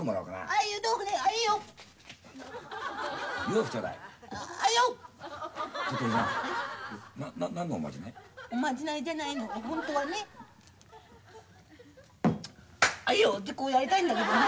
あいよ！ってこうやりたいんだけどね。